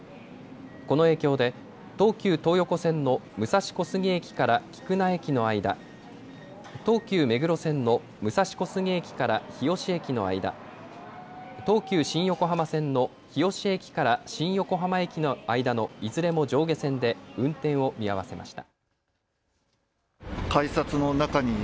この影響で東急東横線の武蔵小杉駅から菊名駅の間、東急目黒線の武蔵小杉駅から日吉駅の間、東急新横浜線の日吉駅から新横浜駅の間のいずれも上下線で運転を見合わせました。